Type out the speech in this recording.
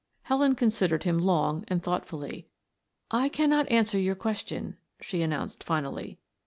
Helen considered him long and thoughtfully. "I cannot answer your question," she announced finally.